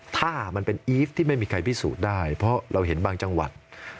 ถ้ามันเป็นอีฟที่ไม่มีใครพิสูจน์ได้เพราะเราเห็นบางจังหวัด